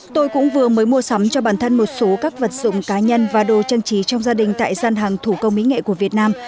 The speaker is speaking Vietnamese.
tôi cũng vừa mới mua sắm cho bản thân một số các vật dụng cá nhân và đồ trang trí trong gia đình tại gian hàng thủ công mỹ nghệ của việt nam